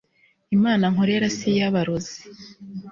imana nkorera si iy'abarozi